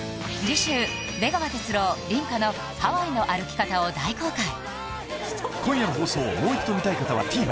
次週出川哲朗梨花のハワイの歩き方を大公開